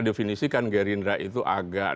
definisikan grindra itu agak